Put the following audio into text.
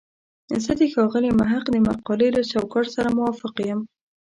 زه د ښاغلي محق د مقالې له چوکاټ سره موافق یم.